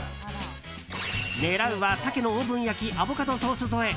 狙うはサケのオーブン焼きアボカドソース添え。